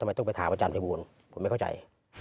ทำไมต้องไปถามอาจารย์ภัยบูลผมไม่เข้าใจ